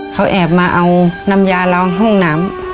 เขาแอบมาเอาน้ำยาล้างห้องน้ำ